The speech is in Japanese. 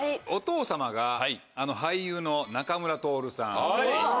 お父様があの俳優の仲村トオルさん。